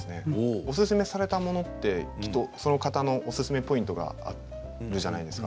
おすすめされたものはその方のおすすめポイントがあるじゃないですか。